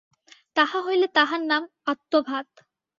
তাহা হইলে তাহার নাম আত্মঘাত।